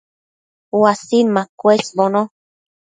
uasin machëshbono